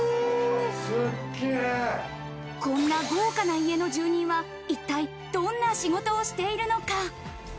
こんな豪華な家の住人は、一体どんな仕事をしているのか。